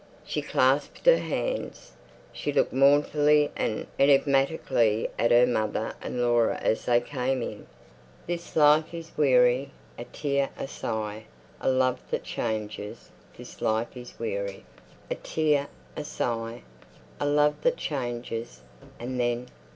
She clasped her hands. She looked mournfully and enigmatically at her mother and Laura as they came in. This Life is Wee ary, A Tear—a Sigh. A Love that Chan ges, This Life is Wee ary, A Tear—a Sigh. A Love that Chan ges, And then.